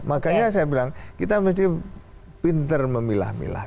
makanya saya bilang kita mesti pinter memilah milah